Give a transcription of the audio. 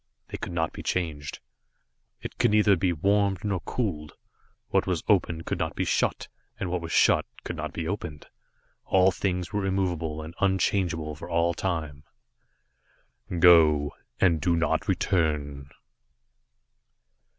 They could not be changed; it could be neither warmed nor cooled; what was open could not be shut, and what was shut could not be opened. All things were immovable and unchangeable for all time. "Go, and do not return."